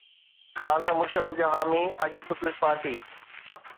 ڪالهه مشرف جا حامي اڄ پيپلز پارٽي